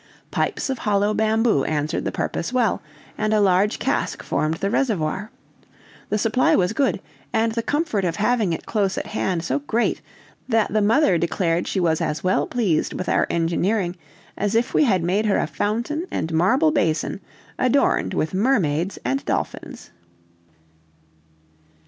Pipes of hollow bamboo answered the purpose well, and a large cask formed the reservoir. The supply was good, and the comfort of having it close at hand so great, that the mother declared she was as well pleased with our engineering as if we had made her a fountain and marble basin adorned with mermaids and dolphins.